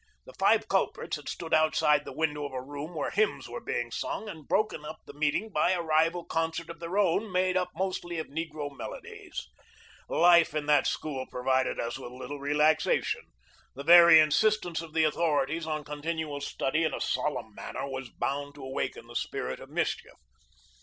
The five culprits had stood outside the window of a room where hymns were being sung and broken up the meeting by a rival concert of our own, made up mostly of negro mel odies. Life in that school provided us with little relaxation. The very insistence of the authorities on continual study in a solemn manner was bound to awaken the spirit of mischief.